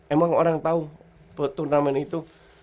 emang orang tau turnamen itu